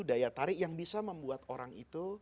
daya tarik yang bisa membuat orang itu